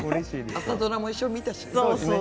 朝ドラも一緒に見たし。